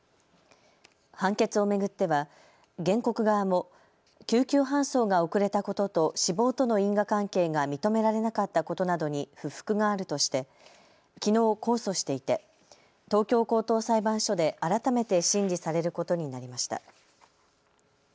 判決を巡っては原告側も救急搬送が遅れたことと死亡との因果関係が認められなかったことなどに不服があるとしてきのう、控訴していて東京高等裁判所で改めて審理されることになりました。